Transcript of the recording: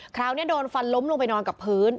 คราวนี้โดนฟันล้มลงไปนอนกับพื้น